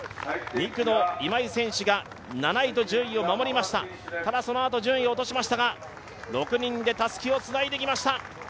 ２区の今井選手が７位と順位を守りましたただ、そのあと順位を落としましたが、６人でたすきをつないできました。